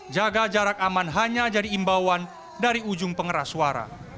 jaga jarak aman hanya jadi imbauan dari ujung pengeras suara